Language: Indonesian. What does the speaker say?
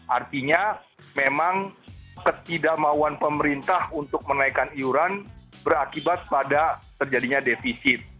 artinya memang ketidakmauan pemerintah untuk menaikkan iuran berakibat pada terjadinya defisit